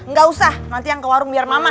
nggak usah nanti yang ke warung biar mama